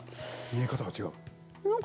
見え方が違う？